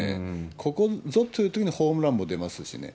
ここぞというときにホームランも出ますしね。